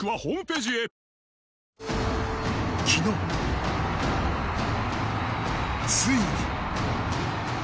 昨日、ついに。